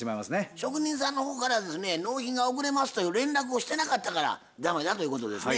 職人さんの方からですね納品が遅れますという連絡をしてなかったから駄目だということですね。